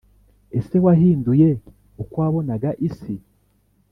Ese wahinduye uko wabonaga isi